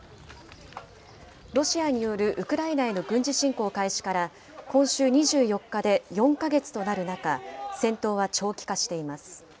ロシアによるウクライナへの軍事侵攻開始から今週２４日で４か月となる中、戦闘は長期化しています。